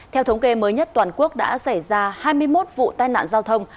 theo thống kê mới nhất toàn quốc đã xảy ra hai mươi một vụ tai nạn giao thông